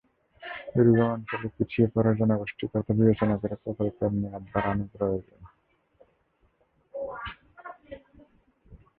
দুর্গম অঞ্চলের পিছিয়ে পড়া জনগোষ্ঠীর কথা বিবেচনা করে প্রকল্পের মেয়াদ বাড়ানো প্রয়োজন।